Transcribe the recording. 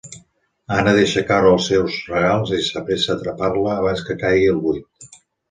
Anna deixa caure els seus regals i s'apressa a atrapar-la abans que caigui al buit.